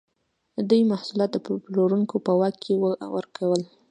دوی محصولات د پلورونکو په واک کې ورکول.